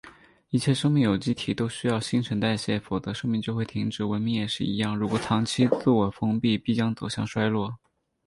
一切生命有机体都需要新陈代谢，否则生命就会停止。文明也是一样，如果长期自我封闭，必将走向衰落。